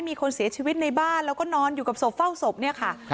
มีคนเสียชีวิตในบ้านแล้วก็นอนอยู่กับศพเฝ้าศพเนี่ยค่ะ